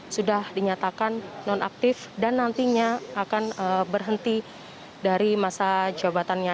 sudah dinyatakan nonaktif dan nantinya akan berhenti dari masa jabatannya